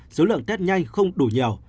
số lượng tết nhanh không đủ nhiều